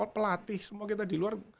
pelatih semua kita di luar